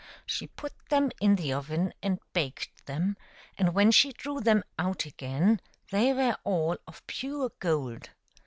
She put them in the oven and baked them, and when she drew them out again they were all of pure gold.